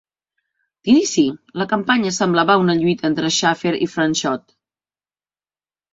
D'inici, la campanya semblava una lluita entre Schaefer i Franchot.